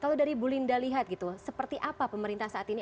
kalau dari bu linda lihat gitu seperti apa pemerintah saat ini